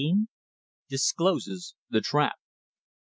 DISCLOSES THE TRAP.